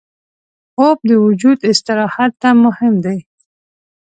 خوب د وجود استراحت ته مهم دی